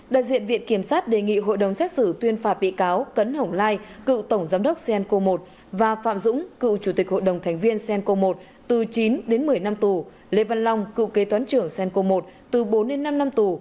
đại diện viện kiểm sát đề nghị hội đồng xét xử tuyên phạt bị cáo cấn hồng lai cựu tổng giám đốc cenco một và phạm dũng cựu chủ tịch hội đồng thành viên cenco một từ chín đến một mươi năm tù lê văn long cựu kế toán trưởng cenco một từ bốn đến năm năm tù